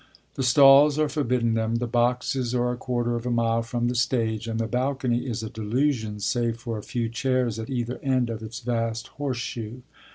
[*] The stalls are forbidden them, the boxes are a quarter of a mile from the stage and the balcony is a delusion save for a few chairs at either end of its vast horseshoe.